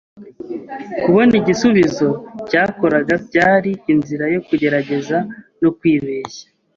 Kubona igisubizo cyakoraga byari inzira yo kugerageza no kwibeshya.